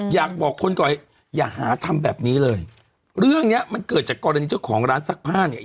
อยากบอกคนก่อนอย่าหาทำแบบนี้เลยเรื่องเนี้ยมันเกิดจากกรณีเจ้าของร้านซักผ้าเนี่ย